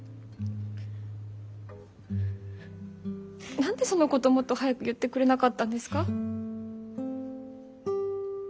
何でそのこともっと早く言ってくれなかったんですか？